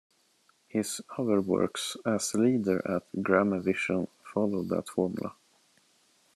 His other works as leader at Gramavision followed that formula.